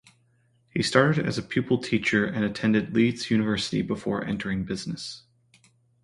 He started as a pupil teacher and attended Leeds University before entering business.